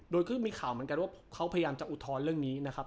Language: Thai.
โดยก็มีข่าวเหมือนกันว่าเขาพยายามจะอุทธรณ์เรื่องนี้นะครับ